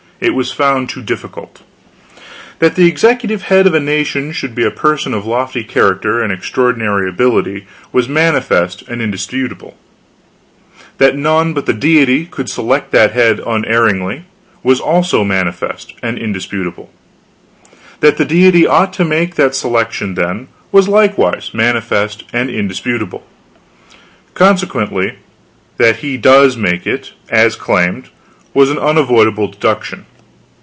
It was found too difficult. That the executive head of a nation should be a person of lofty character and extraordinary ability, was manifest and indisputable; that none but the Deity could select that head unerringly, was also manifest and indisputable; that the Deity ought to make that selection, then, was likewise manifest and indisputable; consequently, that He does make it, as claimed, was an unavoidable deduction.